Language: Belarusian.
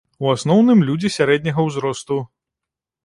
У асноўным, людзі сярэдняга ўзросту.